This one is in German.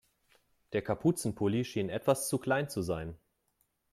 Der Kapuzenpulli schien etwas zu klein zu sein.